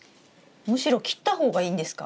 むしろ切った方がいいんですか？